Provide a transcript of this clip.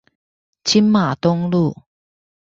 金馬東路